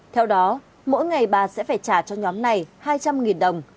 theo đó mỗi ngày bà sẽ phải trả cho nhóm này hai trăm linh đồng